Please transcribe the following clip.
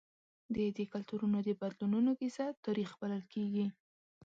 د دې کلتورونو د بدلونونو کیسه تاریخ بلل کېږي.